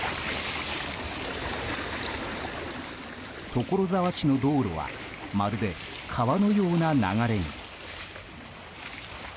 所沢市の道路はまるで川のような流れに。